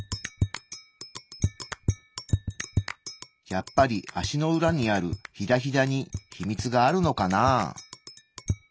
やっぱり足の裏にあるヒダヒダに秘密があるのかな？